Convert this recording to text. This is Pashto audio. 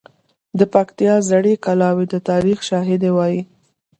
د پکتیا زړې کلاوې د تاریخ شاهدي وایي.